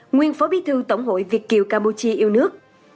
nguyên phó bí thư tổng hội việt kiều campuchia yêu nước